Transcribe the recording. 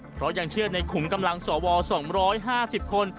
เพราะยังเชื่อในขุมกำลังสว๒๕๐คน